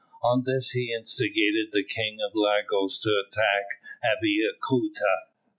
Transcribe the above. On this he instigated the King of Lagos to attack Abeokuta.